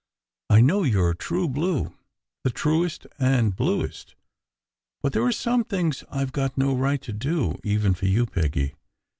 "I know you re true blue the truest and bluest but there are some things I ve got no right to do, even for you, Peggy.